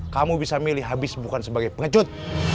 kamu bisa milih habis bukan sebagai pengecut